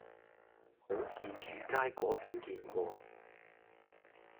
好似魚街嗰邊見過